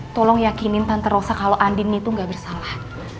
tolong yakinin tanpa rosa kalau andin itu gak bersalah